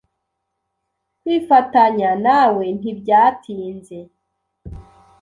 Kwifatanya nawe ntibyatinze.